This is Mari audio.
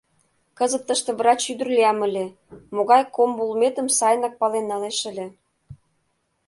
Кызыт тыште врач ӱдыр лиям ыле, могай комбо улметым сайынак пален налеш ыле.